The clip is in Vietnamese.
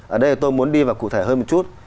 ở đây tôi muốn đi vào cụ thể hơn một chút